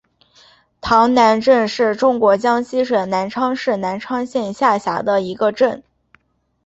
塘南镇是中国江西省南昌市南昌县下辖的一个镇。